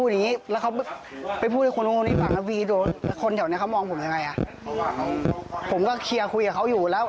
นี่ค่ะพอได้คุยทั้งสองฝั่งได้ฟังทั้งสองฝั่งแล้ว